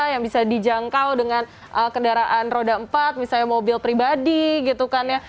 yang bisa dijangkau dengan kendaraan roda empat misalnya mobil pribadi gitu kan ya